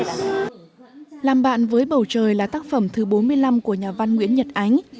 làm bạn với bầu trời là tác phẩm thứ bốn mươi năm của nhà văn nguyễn nhật ánh